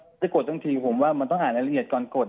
ถ้าจะกฎตั้งทีผมว่ามันต้องหาในลัยเงียดก่อนกฎ